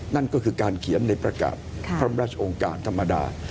นั่นก็คือการเขียนในประกาศพระราชองค์การธรรมดา